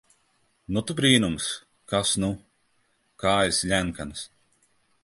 Nu, tu brīnums! Kas nu! Kājas ļenkanas...